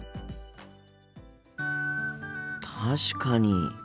確かに。